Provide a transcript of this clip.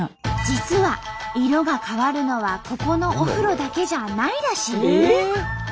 実は色が変わるのはここのお風呂だけじゃないらしい。